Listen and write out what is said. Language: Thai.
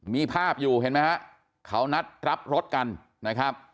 มีภาพอยู่เห็นไหมฮะเขานัดรับรถกันนะครับ